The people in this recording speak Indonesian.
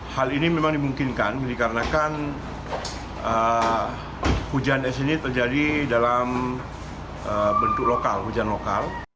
hal ini memang dimungkinkan dikarenakan hujan es ini terjadi dalam bentuk lokal hujan lokal